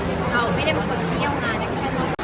ช่องความหล่อของพี่ต้องการอันนี้นะครับ